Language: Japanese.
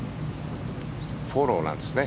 フォローなんですね。